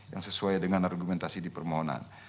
yang sesuai dengan argumentasi di permohonan